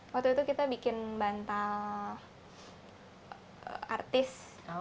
waktu itu kita bikin bantal artis